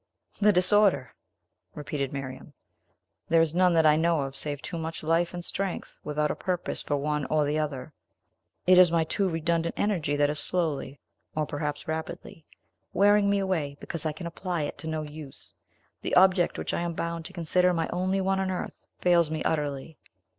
"The disorder!" repeated Miriam. "There is none that I know of save too much life and strength, without a purpose for one or the other. It is my too redundant energy that is slowly or perhaps rapidly wearing me away, because I can apply it to no use. The object, which I am bound to consider my only one on earth, fails me utterly.